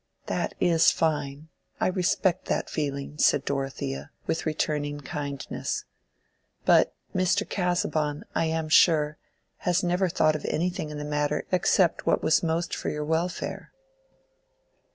"That is fine—I respect that feeling," said Dorothea, with returning kindness. "But Mr. Casaubon, I am sure, has never thought of anything in the matter except what was most for your welfare."